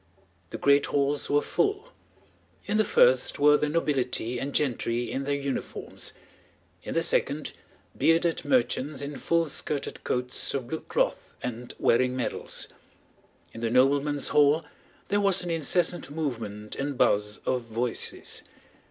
The great halls were full. In the first were the nobility and gentry in their uniforms, in the second bearded merchants in full skirted coats of blue cloth and wearing medals. In the noblemen's hall there was an incessant movement and buzz of voices.